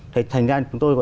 thì thành ra